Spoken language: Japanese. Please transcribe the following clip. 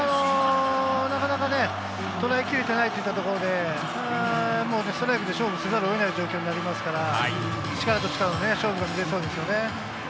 なかなかとらえきれていないといったところで、ストライクで勝負せざるを得ない状況になりますから、力と力の勝負が見られそうですね。